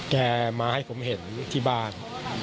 แกมาให้ผมเห็นที่บ้าน